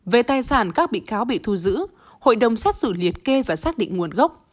về tài sản các bị cáo bị thu giữ hội đồng xét xử liệt kê và xác định nguồn gốc